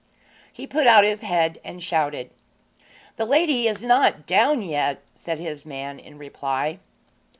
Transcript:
He put out his head and shouted. 'The lady is not down yet,' said his man in reply.